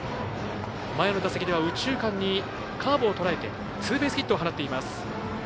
前の打席では右中間にカーブをとらえてツーベースヒットを放っています。